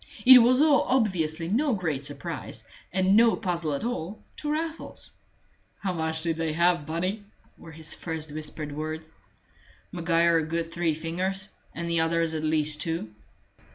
It was all obviously no great surprise, and no puzzle at all, to Raffles. "How much did they have, Bunny?" were his first whispered words. "Maguire a good three fingers, and the others at least two."